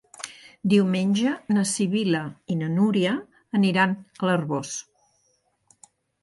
Diumenge na Sibil·la i na Núria aniran a l'Arboç.